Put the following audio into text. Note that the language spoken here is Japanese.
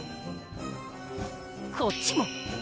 こっちも。